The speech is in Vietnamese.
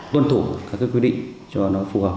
tuân thủ các quy định cho nó phù hợp